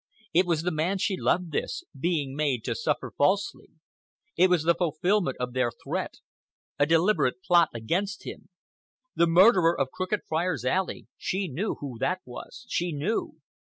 It was the man she loved, this, being made to suffer falsely. It was the fulfilment of their threat—a deliberate plot against him. The murderer of Crooked Friars' Alley—she knew who that was!—she knew!